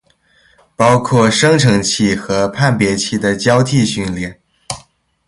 包括生成器和判别器的交替训练